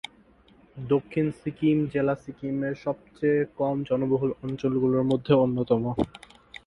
দক্ষিণ সিকিম জেলা সিকিমের সবচেয়ে কম জনবহুল অঞ্চলগুলির মধ্যে অন্যতম।